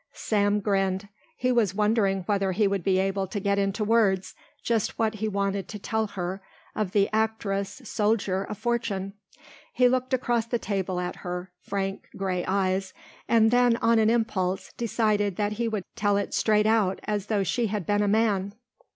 Sam grinned. He was wondering whether he would be able to get into words just what he wanted to tell her of the actress soldier of fortune. He looked across the table at her frank grey eyes and then on an impulse decided that he would tell it straight out as though she had been a man.